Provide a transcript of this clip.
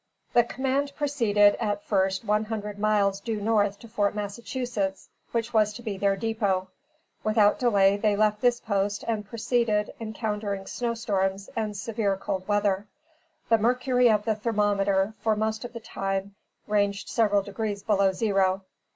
The command proceeded at first one hundred miles due north to Fort Massachusetts, which was to be their dépôt. Without delay they left this post and proceeded, encountering snow storms and severe cold weather. The mercury of the thermometer, for most of the time, ranged several degrees below zero.